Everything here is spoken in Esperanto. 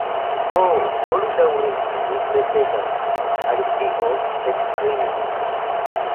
"Ho, volu daŭrigi, mi petegas," Alicio ekkriis.